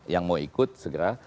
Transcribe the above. yang mau ikut segera